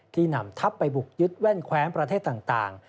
นำทัพไปบุกยึดแว่นแคว้นประเทศต่าง